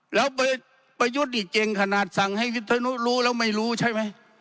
แล้วประยุทธ์นี่เก่งขนาดสั่งให้วิทนุรู้แล้วไม่รู้ใช่ไหม